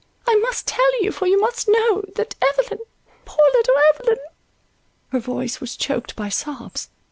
I must tell you, for you must know, that Evelyn, poor little Evelyn"—her voice was choked by sobs.